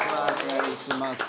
お願いします。